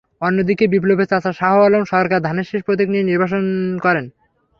অন্যদিকে বিপ্লবের চাচা শাহ আলম সরকার ধানের শীষ প্রতীক নিয়ে নির্বাচন করেন।